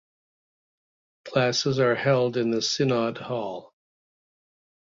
Classes were held in the Synod Hall.